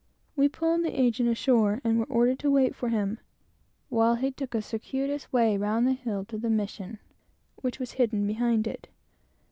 We pulled the agent ashore, and were ordered to wait for him, while he took a circuitous way round the hill to the mission, which was hidden behind it.